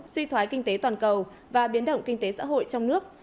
suy thoái kinh tế toàn cầu và biến động kinh tế xã hội trong nước